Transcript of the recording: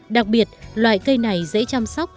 đặc biệt loại cây này dễ chăm sóc